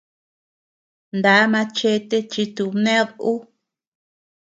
Ndá machete chi tubnéd ú.